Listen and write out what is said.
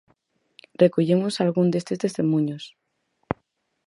Recollemos algún destes testemuños.